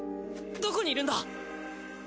どこにいるんだ？